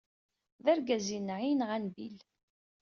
D argaz-inna ay yenɣan Bill.